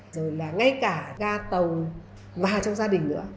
rồi là ngay cả ra tàu vào trong gia đình nữa